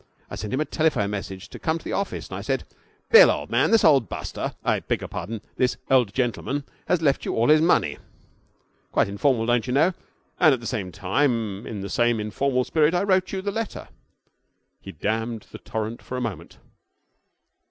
I sent him a telephone message to come to the office, and I said: "Bill, old man, this old buster" I beg your pardon, this old gentleman "has left you all his money." Quite informal, don't you know, and at the same time, in the same informal spirit, I wrote you the letter.' He dammed the torrent for a moment.